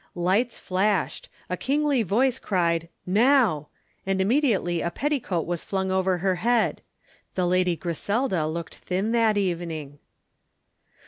Lights flashed, a kingly voice cried "Now!" and immediately a petticoat was flung over her head. (The Lady Griselda looked thin that evening.)